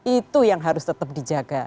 itu yang harus tetap dijaga